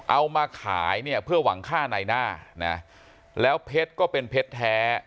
เอามาขายเนี่ยเพื่อหวังฆ่าในหน้านะแล้วเพชรก็เป็นเพชรแท้